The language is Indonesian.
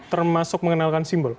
termasuk mengenalkan simbol